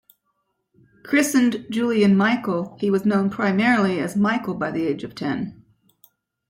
Christened Julian Michael, he was known primarily as Michael by the age of ten.